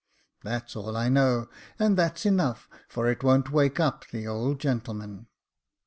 " That's all I know ; and that's enough, for it won't wake up the old gentleman."